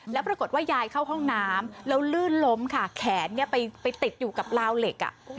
แล้วปรากฏว่ายายเข้าห้องน้ำแล้วลื่นล้มค่ะแขนไปติดอยู่กับลาวเหล็ก